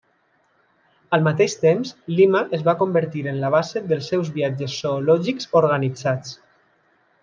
Al mateix temps, Lima es va convertir en la base dels seus viatges zoològics organitzats.